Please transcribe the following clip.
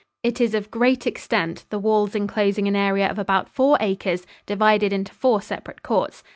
It is of great extent, the wails enclosing an area of about four acres, divided into four separate courts.